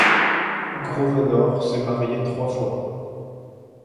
Grosvenor s'est marié trois fois.